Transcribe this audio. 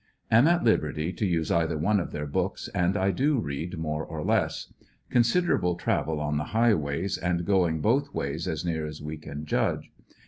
Am at liberty to use either one of their booKs, and I do read more or less. Considerable travel on the highwa3^s, and going both ways as near at we can judge.